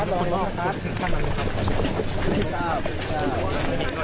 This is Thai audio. ทุกคนก็มีคนรักจากด้านนี้นะคะ